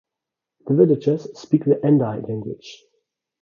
The villagers speak the Andi language.